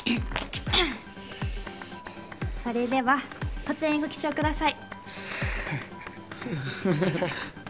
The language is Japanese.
それではこちらにご記帳ください。